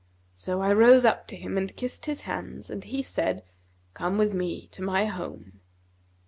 So I rose up to him and kissed his hands: and he said, 'Come with me to my home.'